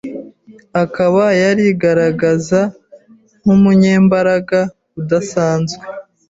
akaba yarigaragaza nk’umunyembaraga udasanzwe